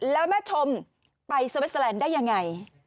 แล้วแม่ชมไปสวิสเตอร์แลนด์ได้ยังไง